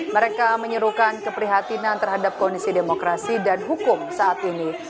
mereka menyerukan keprihatinan terhadap kondisi demokrasi dan hukum saat ini